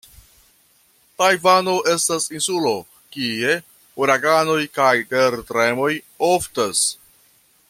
Tajvano estas insulo, kie uraganoj kaj tertremoj oftas.